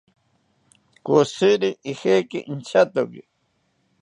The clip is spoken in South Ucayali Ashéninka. Koshiri ijeki inchatoki